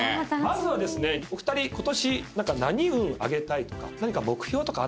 まずはですねお二人ことし何運上げたいとか何か。